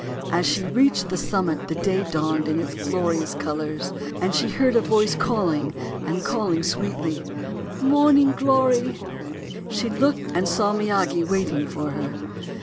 As she reached the summit the day dawned in all its glorious colours. And she heard a voice calling, and calling sweetly: — "Morning Glory!" She looked and saw Miyagi waiting for her.